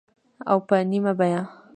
او په نیمه بیه